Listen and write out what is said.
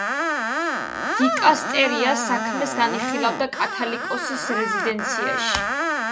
დიკასტერია საქმეს განიხილავდა კათალიკოსის რეზიდენციაში.